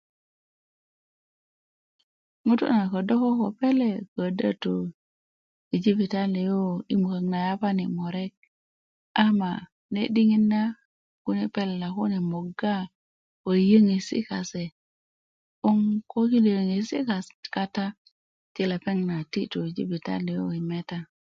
ŋutu' na ködö ko pele ködö tu yi jibitali yu yi mukök na yapani murek ama ne diŋit na kune pelela kjne moga ko yöyöŋesi kase 'boŋ ko kine yöyöŋesi kata ti leoeŋ na ti tu jibitali yu meta